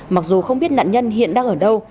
mặc dù không biết nạn nhân hiện đang ở đâu